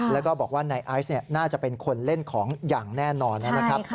แล้วก็บอกว่านายไอซ์น่าจะเป็นคนเล่นของอย่างแน่นอนนะครับ